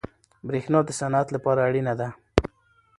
برښنا د صنعت لپاره اړینه ده.